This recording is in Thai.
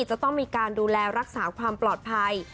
จะต้องมีการดูแลรักษาความปลอดภัย